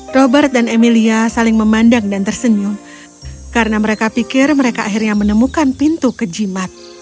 robert dan emilia saling memandang dan tersenyum karena mereka pikir mereka akhirnya menemukan pintu ke jimat